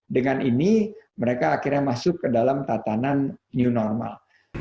dengan ini mereka akhirnya masuk ke dalam tatanan new normal